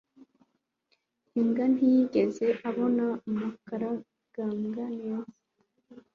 imbwa ntiyigeze abona mukarugambwa neza